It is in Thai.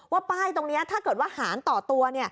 ป้ายตรงนี้ถ้าเกิดว่าหารต่อตัว